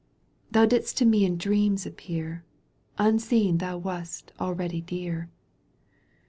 Thou didst to me in dreams appear. Unseen thou wast already dear.